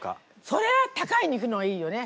そりゃ高い肉の方がいいよね